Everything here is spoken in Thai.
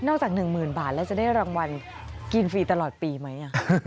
จาก๑๐๐๐บาทแล้วจะได้รางวัลกินฟรีตลอดปีไหม